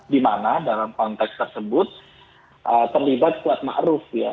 dimana dalam konteks tersebut terlibat kuat ma'ruf ya